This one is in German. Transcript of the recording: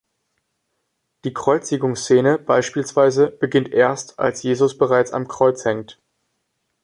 Die Kreuzigungsszene beispielsweise beginnt erst, als Jesus bereits am Kreuz hängt.